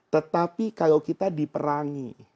tetapi kalau kita diperangi